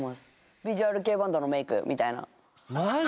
ヴィジュアル系バンドのメイクみたいなマジ？